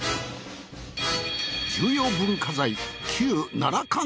重要文化財。